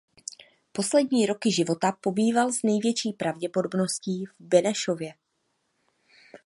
Poslední roky života pobýval s největší pravděpodobností v Benešově.